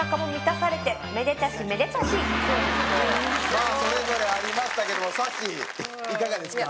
さあそれぞれありましたけどもさっしーいかがですか？